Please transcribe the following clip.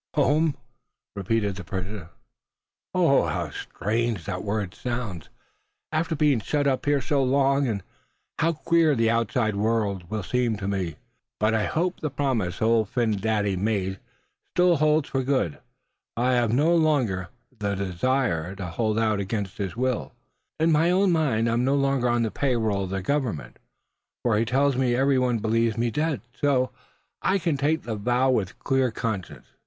"Home!" repeated the prisoner; "how strange that word sounds, after being shut up here so long. And how queer the outside world will seem to me. But I hope the promise Old Phin Dady made me, still holds good; for I've no longer the desire to hold out against his will. In my own mind I'm no longer on the pay roll of the Government, for he tells me every one believes me dead; so I can take the vow with a clear conscience.